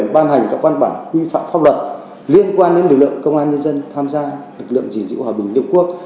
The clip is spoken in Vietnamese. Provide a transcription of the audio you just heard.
ban hành các văn bản quy phạm pháp luật liên quan đến lực lượng công an nhân dân tham gia lực lượng gìn giữ hòa bình liên quốc